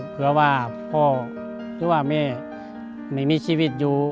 เพื่อว่าพ่อหรือว่าแม่ไม่มีชีวิตอยู่